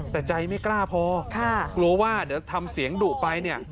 แต่ใจไม่กล้าพอกลัวว่าเดี๋ยวทำเสียงดุไปเนี่ย